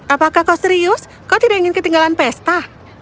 apakah kau serius kau tidak ingin ketinggalan pesta